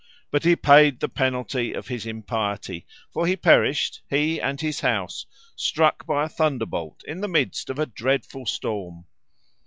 But he paid the penalty of his impiety, for he perished, he and his house, struck by a thunderbolt in the midst of a dreadful storm.